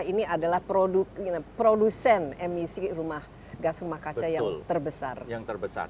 ini adalah produsen emisi rumah gas rumah kaca yang terbesar